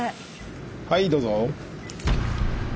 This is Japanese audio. はいどうぞ。